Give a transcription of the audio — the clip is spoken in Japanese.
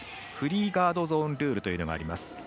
フリーガードゾーンルールというのがあります。